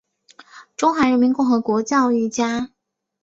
中华人民共和国教育家。